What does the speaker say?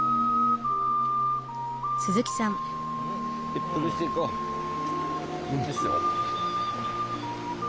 一服していこう。